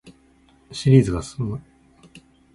シリーズが進む